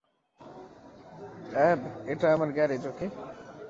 অ্যাব, এটা আমার গ্যারেজ, ওকে?